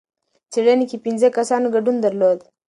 څېړنې کې پنځه کسانو ګډون درلود.